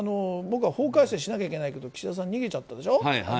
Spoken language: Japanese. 法改正しなきゃいけないけど岸田さん、逃げちゃったでしょ。